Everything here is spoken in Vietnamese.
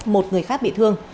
một người khác bị thương